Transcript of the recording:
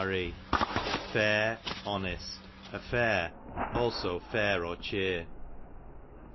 I fair, honest; a fair, also { fare or cheer.